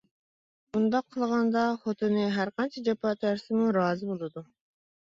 بۇنداق قىلغاندا، خوتۇنى ھەر قانچە جاپا تارتسىمۇ رازى بولىدۇ.